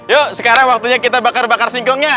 yuk sekarang waktunya kita bakar bakar singkongnya